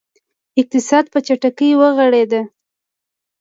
اقتصاد په چټکۍ وغوړېد.